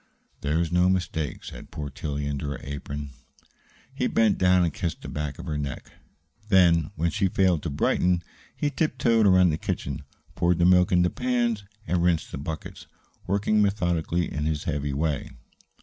"There's no mistake," said poor Tillie into her apron. He bent down and kissed the back of her neck. Then, when she failed to brighten, he tiptoed around the kitchen, poured the milk into pans, and rinsed the buckets, working methodically in his heavy way.